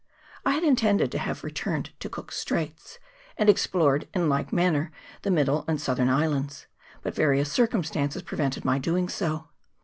I had intended to have re turned to Cook's Straits, and explored in like man ner the middle and southern islands, but various circumstances prevented my doing so.